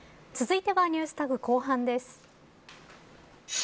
続いてはＮｅｗｓＴａｇ後半です。